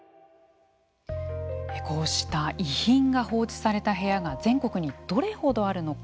こうした遺品が放置された部屋が全国に、どれほどあるのか